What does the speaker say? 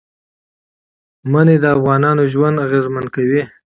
منی د افغانانو ژوند اغېزمن کوي.